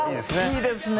いいですね！